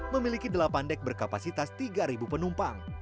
memiliki delapan deck berkapasitas tiga ribu penumpang